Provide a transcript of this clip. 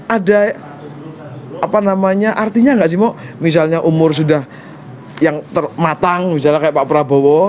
ada apa namanya artinya nggak sih mau misalnya umur sudah yang matang misalnya kayak pak prabowo